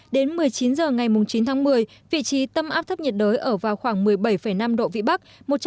đến một mươi chín h ngày chín tháng một mươi vị trí tâm áp thấp nhiệt đới ở vào khoảng một mươi bảy năm độ vĩ bắc